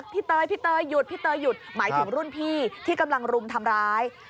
เตยพี่เตยหยุดพี่เตยหยุดหมายถึงรุ่นพี่ที่กำลังรุมทำร้าย